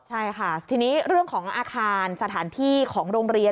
ใช่ค่ะทีนี้เรื่องของอาคารสถานที่ของโรงเรียน